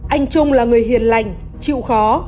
anh trung là người hiền lành chịu khó